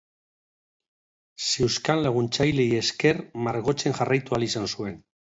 Zeuzkan laguntzaileei esker margotzen jarraitu ahal izan zuen.